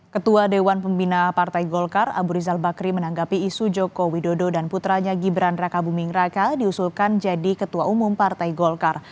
ketua dewan pembina partai golkar abu rizal bakri menanggapi isu joko widodo dan putranya gibran raka buming raka diusulkan jadi ketua umum partai golkar